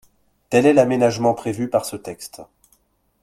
Tel est l’aménagement prévu par ce texte.